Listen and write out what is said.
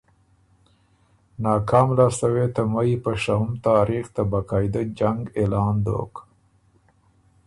ناکام لاسته وې ته مئ په شهُم تاریخ ته باقاعده جنګ اعلان دوک۔